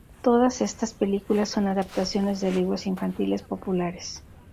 Todas estas películas son adaptaciones de libros infantiles populares.